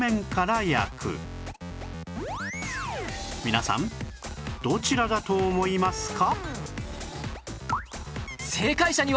皆さんどちらだと思いますか？